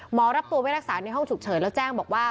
รับตัวไปรักษาในห้องฉุกเฉินแล้วแจ้งบอกว่า